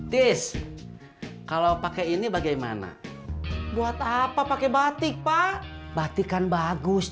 tis kalau pakai ini bagaimana buat apa pakai batik pak batikan bagus